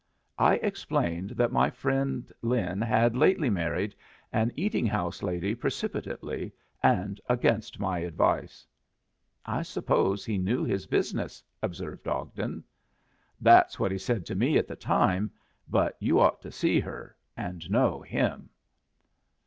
I explained that my friend Lin had lately married an eating house lady precipitately and against my advice. "I suppose he knew his business," observed Ogden. "That's what he said to me at the time. But you ought to see her and know him."